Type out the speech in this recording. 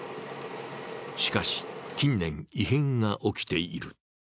しかし近年、異変が起きている。